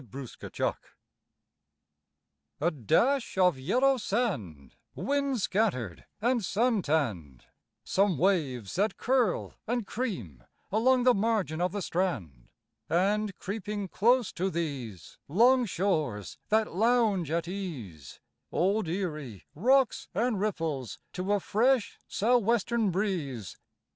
ERIE WATERS A dash of yellow sand, Wind scattered and sun tanned; Some waves that curl and cream along the margin of the strand; And, creeping close to these Long shores that lounge at ease, Old Erie rocks and ripples to a fresh sou' western breeze.